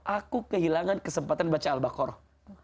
aku kehilangan kesempatan baca al baqarah